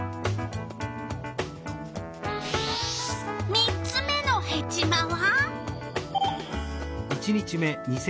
３つ目のヘチマは？